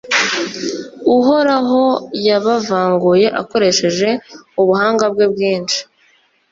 uhoraho yabavanguye akoresheje ubuhanga bwe bwinshi